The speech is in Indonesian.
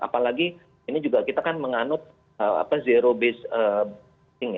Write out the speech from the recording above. apalagi ini juga kita kan menganut zero based